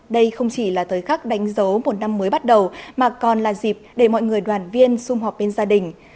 đây không chỉ là thời khắc đánh dấu một năm mới bắt đầu mà còn là dịp để mọi người đoàn viên xung họp bên gia đình